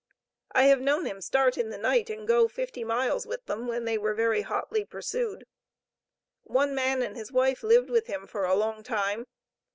I have known him start in the night and go fifty miles with them, when they were very hotly pursued. One man and his wife lived with him for a long time.